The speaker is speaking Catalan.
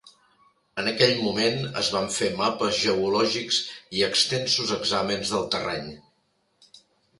En aquell moment es van fer mapes geològics i extensos exàmens del terreny.